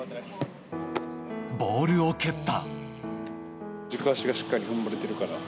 ボールを蹴った。